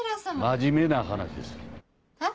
真面目な話です。は？